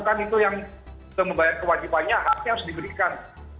kan itu yang membayar kewajibannya haknya harus diberikan